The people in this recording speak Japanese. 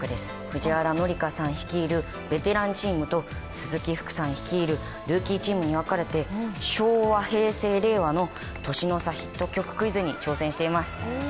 藤原紀香さん率いるベテランチームと鈴木福さん率いるルーキーチームに分かれて昭和、平成、令和の年の差ヒット曲クイズに挑戦しています。